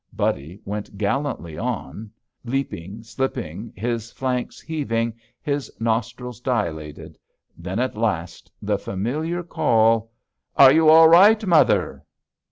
Buddy went gallantly on, leaping, slipping, his flanks heaving, his nostrils dilated. Then, at last, the familiar call, "Are you all right, mother?"